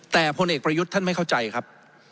แต่พลเอกประยุทธ์ท่านไม่เข้าใจครับ